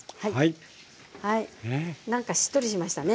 なんかしっとりしましたね。